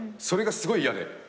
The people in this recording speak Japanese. それがすごい嫌で。